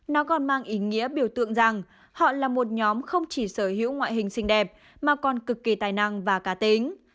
nó còn mang ý nghĩa biểu tượng rằng họ là một nhóm không chỉ sở hữu ngoại hình xinh đẹp mà còn cực kỳ tài năng và cá tính